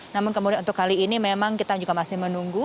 namun kemudian untuk kali ini memang kita juga masih menunggu